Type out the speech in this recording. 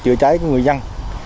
chữa trái của người dân